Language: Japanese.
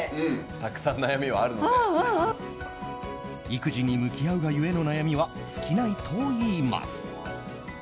育児に向き合うが故の悩みは尽きないといいます。